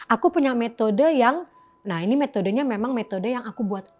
aku punya metode yang nah ini metodenya memang metode yang aku buat